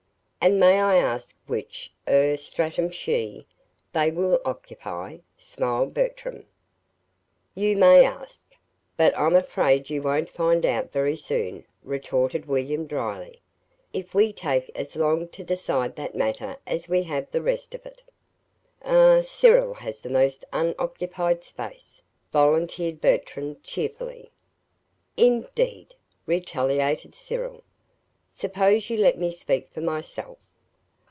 "And may I ask which er stratum she they will occupy?" smiled Bertram. "You may ask, but I'm afraid you won't find out very soon," retorted William, dryly, "if we take as long to decide that matter as we have the rest of it." "Er Cyril has the most UNOCCUPIED space," volunteered Bertram, cheerfully. "Indeed!" retaliated Cyril. "Suppose you let me speak for myself!